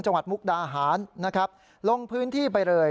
จังหวัดมุกดาหารโรงพื้นที่ไปเลย